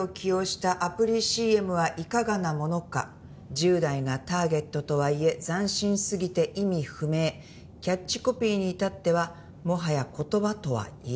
「十代がターゲットとは言え斬新過ぎて意味不明」「キャッチコピーに至ってはもはや言葉とは言えない」